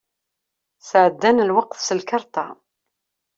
Sεeddan lweqt s lkarṭa.